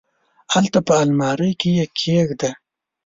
هلته په المارۍ کي یې کښېږده !